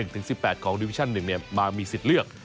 อธิบายีกมิวีชั่นหนึ่งมามีสิทธิ์เลือก